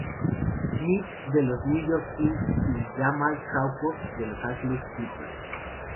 Smith de los New York Knicks y Jamal Crawford de Los Angeles Clippers.